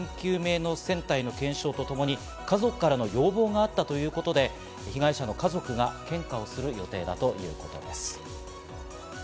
午後からは原因究明の船体の検証とともに、家族からの要望があったということで、被害者の家族が献花をする予定だということです。